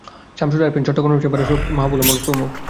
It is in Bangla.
সামসুল আরেফিন, চট্টগ্রাম চেম্বারের সভাপতি মাহবুবুল আলম প্রমুখ।